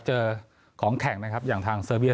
เจอของแข่งนะครับอย่างทางเซอร์เบีย